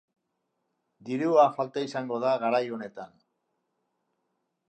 Dirua falta izango da garai honetan.